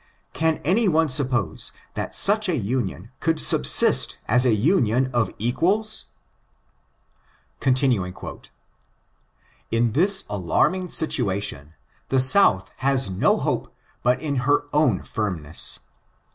Can any one suppose that such a union could subsist as a union of equals %^^^^^^^^ ON ABOLITIONISM. 461 "< In this alarming situation, the South has no hope but in her own fiimness.